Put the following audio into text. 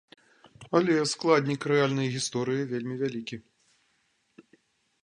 Але складнік рэальнай гісторыі вельмі вялікі.